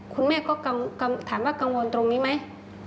คุณแม่ก็ถามว่ากังวลตรงนี้ไหม